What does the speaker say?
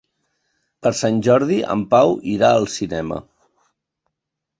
Per Sant Jordi en Pau irà al cinema.